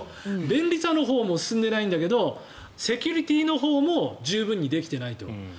便利さも進んでいないんだけどセキュリティーのほうも十分にできていないと。